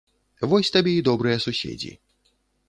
Вось табе і добрыя суседзі.